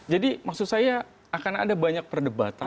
jadi maksud saya akan ada banyak perdebatan